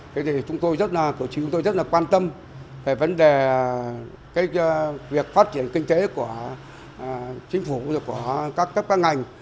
thế thì chúng tôi rất là quan tâm về vấn đề việc phát triển kinh tế của chính phủ và các ngành